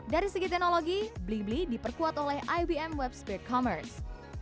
dari segi teknologi belibeli diperkuat oleh ibm webspeed commerce